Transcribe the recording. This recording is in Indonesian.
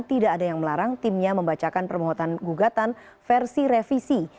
tidak ada yang melarang timnya membacakan permohonan gugatan versi revisi